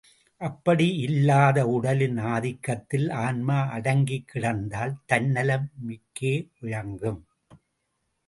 அப்படி இல்லாது உடலின் ஆதிக்கத்தில் ஆன்மா அடங்கிக் கிடந்தால் தன்னலம் மிக்கே விளங்கும்.